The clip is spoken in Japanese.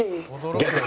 逆に？